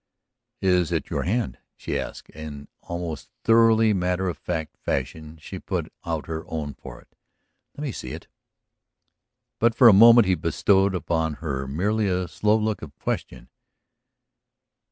"It is your hand?" she asked, as in most thoroughly matter of fact fashion she put out her own for it. "Let me see it." But for a moment he bestowed upon her merely a slow look of question.